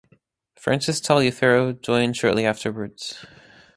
Francis Taliaferro joined shortly afterwards.